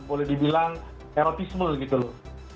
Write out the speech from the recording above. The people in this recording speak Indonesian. boleh dibilang erotisme gitu loh